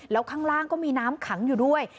แล้วข้างล่างก็มีน้ำขังอยู่ด้วย